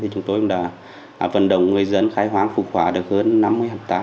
chúng tôi cũng đã vận động người dân khai hoang phục hỏa được hơn năm mươi hạt tá